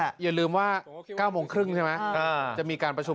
อย่ายืนลืมว่า๙โมงครึ่งจะมีการประชุม